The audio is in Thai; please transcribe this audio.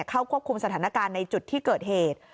เข้าควบคุมสถานการณ์ในจุดที่เกิดเหตุ